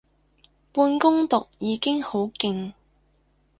半工讀已經好勁